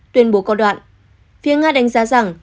tuyên bố có đoạn phía nga đánh giá rằng